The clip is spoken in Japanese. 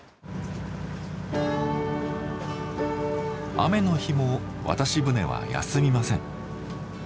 雨の日も渡し船は休みません。